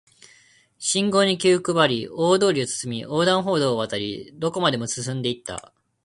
信号に気を配り、大通りを進み、横断歩道を渡り、どこまでも進んで行った